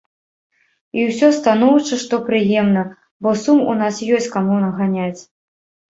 І ўсё станоўча, што прыемна, бо сум ў нас ёсць каму наганяць.